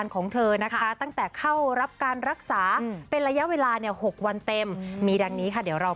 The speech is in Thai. เมื่อวานนี้ด้ายความ